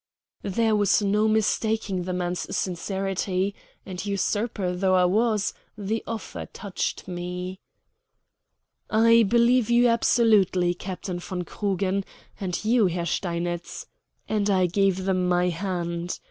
There was no mistaking the man's sincerity, and, usurper though I was, the offer touched me. "I believe you absolutely, Captain von Krugen, and you, Herr Steinitz," and I gave them my hand.